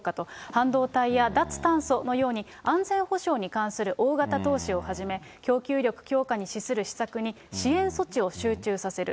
半導体や脱炭素のように、安全保障に関する大型投資をはじめ、供給力強化に資する施策に支援措置を集中させる。